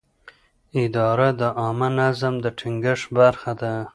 اداره د عامه نظم د ټینګښت برخه ده.